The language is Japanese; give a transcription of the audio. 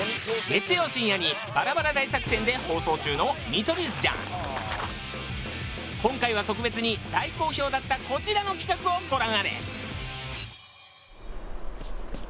月曜深夜にバラバラ大作戦で放送中の今回は特別に大好評だったこちらの企画をご覧あれ！